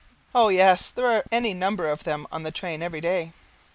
Oh yes, there are any number of them on the train every day.